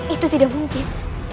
itu tidak mungkin